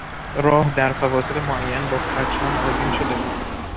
راه در فواصل معین با پرچم آذین شده بود.